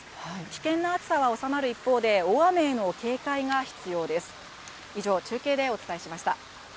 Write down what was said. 危険な暑さは収まる一方で、大雨への警戒が必要です。